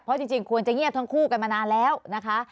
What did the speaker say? เพราะจริงควรจะเงียบทั้งคู่กันมานานแล้วนะคะ